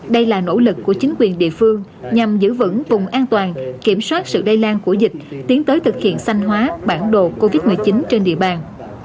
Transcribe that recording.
đây là nỗ lực của chính quyền địa phương nhằm giữ vững vùng an toàn kiểm soát sự lây lan của dịch tiến tới thực hiện xanh hóa bản đồ covid một mươi chín trên địa bàn